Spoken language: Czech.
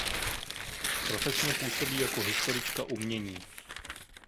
Profesně působí jako historička umění.